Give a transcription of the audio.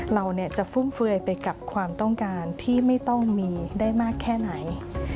เราจะฟุ่มเฟือยไปกับความต้องการที่ไม่ต้องมีได้มากแค่ไหน